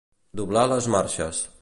Doblar les marxes.